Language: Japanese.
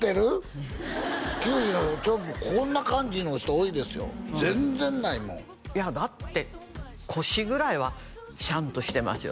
うん９０だとちょっとこんな感じの人多いですよ全然ないもんいやだって腰ぐらいはしゃんとしてますよ